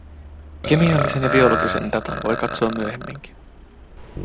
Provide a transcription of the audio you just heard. Kemiallisen ja biologisen datan voi katsoa myöhemminkin.